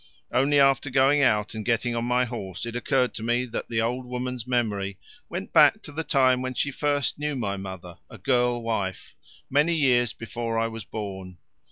Only after going out and getting on my horse it occurred to me that the old woman's memory went back to the time when she first knew my mother, a girl wife, many years before I was born.